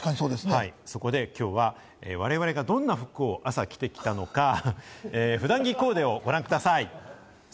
そこで今日は我々がどんな服を朝、着てきたのか、普段着コーデをご覧ください。